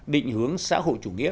định hướng xã hội chủ nghĩa